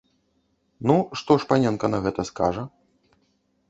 Ну, што ж паненка на гэта скажа?